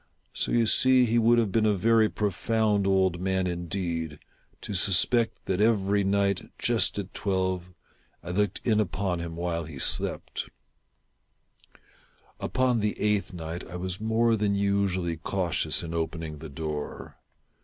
So you see he would have been a very profound old man, indeed, to suspect that every night, just at twelve, I looked in upon him while he slept. 5/0 THE TELL TALE HEART. Upon the eighth night I was more than usually cautious in opening the door.